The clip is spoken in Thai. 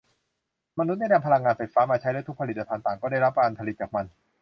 มนุษย์ได้นำพลังงานไฟฟ้ามาใช้และทุกผลิตภัณฑ์ต่างก็ได้รับการผลิตจากมัน